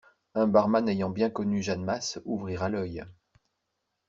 Un barman ayant bien connu Jeanne Mas ouvrira l'œil.